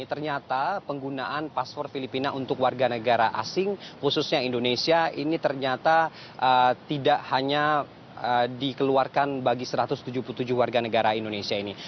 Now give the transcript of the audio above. ternyata penggunaan paspor filipina untuk warga negara asing khususnya indonesia ini ternyata tidak hanya dikeluarkan bagi satu ratus tujuh puluh tujuh warga negara indonesia ini